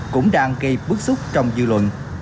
cũng đang gây bước xúc trong dư luận